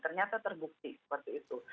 ternyata terbukti seperti itu